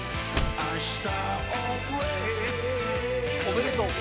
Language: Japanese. おめでとう。